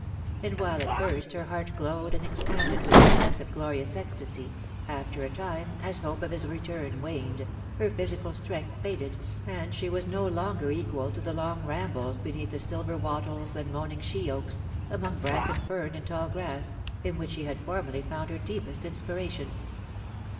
And while at first her heart glowed and expanded with this sense of glorious ecstasy, after a time, as hope of his return waned, her physical strength faded, and she was no longer equal to the long rambles beneath the silver wattles and moaning she oaks, among bracken fern and tall grass, in which she had formerly found her deepest inspiration.